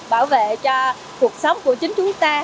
bảo vệ cho cuộc sống của chính chúng ta